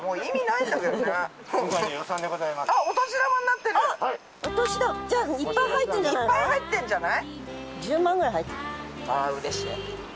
いっぱい入ってんじゃない？